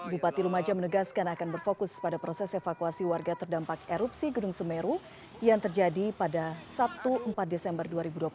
bupati lumajang menegaskan akan berfokus pada proses evakuasi warga terdampak erupsi gunung semeru yang terjadi pada sabtu empat desember dua ribu dua puluh satu